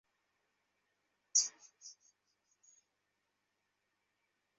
সারাবিশ্বের প্রথম মানচিত্র।